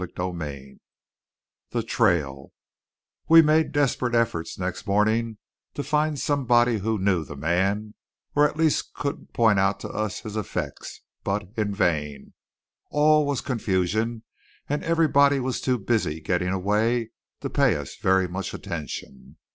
CHAPTER VII THE TRAIL We made desperate efforts next morning to find somebody who knew the man, or at least could point out to us his effects; but in vain. All was confusion, and everybody was too busy getting away to pay us very much attention.